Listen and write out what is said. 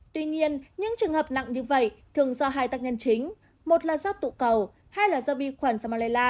tuy nhiên những trường hợp nặng như vậy thường do hai tác nhân chính một là do tụ cầu hai là do vi khuẩn salmella